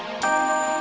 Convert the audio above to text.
apakah karena aja